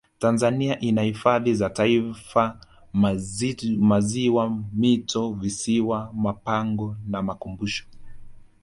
tanzania ina hifadhi za taifa maziwa mito visiwa mapango na makumbusho